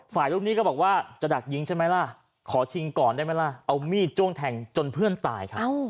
ลูกหนี้ก็บอกว่าจะดักยิงใช่ไหมล่ะขอชิงก่อนได้ไหมล่ะเอามีดจ้วงแทงจนเพื่อนตายครับ